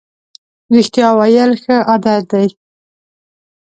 رښتیا ویل ښه عادت دی.